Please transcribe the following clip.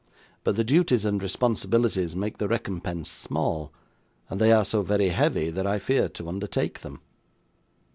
But the duties and responsibilities make the recompense small, and they are so very heavy that I fear to undertake them.